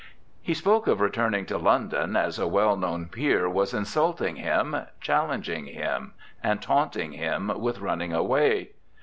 He spoke of returning to London, as a well known peer was insulting him, challenging him, and taunting him with running away.